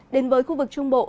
đến với khu vực trung bộ